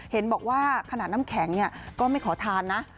เห็นบอกว่าขนาดน้ำแข็งก็ไม่ขอทานนะ